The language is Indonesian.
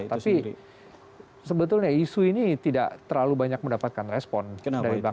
tapi sebetulnya isu ini tidak terlalu banyak mendapatkan respon